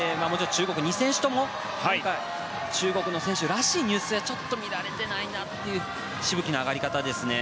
中国の選手、２選手とも中国の選手らしい入水は見られていないなというしぶきの上がり方ですね。